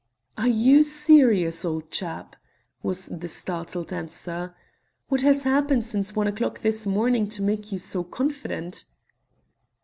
"Are you serious, old chap?" was the startled answer. "What has happened since one o'clock this morning to make you so confident?"